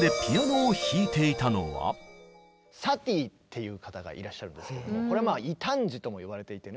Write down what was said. サティーっていう方がいらっしゃるんですけどもこれはまあ異端児ともいわれていてね。